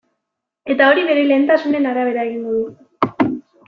Eta hori bere lehentasunen arabera egingo du.